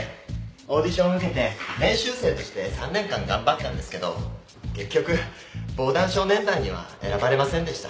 オーディションを受けて練習生として３年間頑張ったんですけど結局防弾少年団には選ばれませんでした。